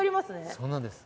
そうなんです。